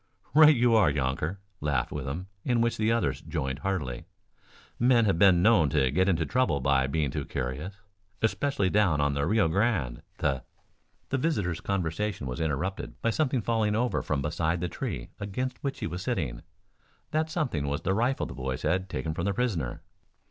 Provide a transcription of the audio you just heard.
"Right you are, yonnker," laughed Withem, in which the others joined heartily. "Men have been known to get into trouble by being too curious, especially down on the Rio Grande. The " The visitor's conversation was interrupted by something falling over from beside the tree against which he was sitting. That something was the rifle the boys had taken from the prisoner.